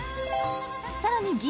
さらに